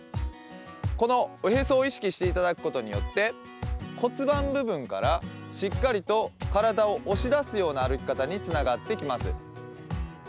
このおへそを意識していただくことによって骨盤部分から、しっかりと体を押し出すような歩き方につながってきます。